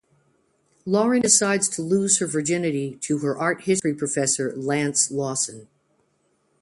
Lauren decides to lose her virginity to her Art History professor Lance Lawson.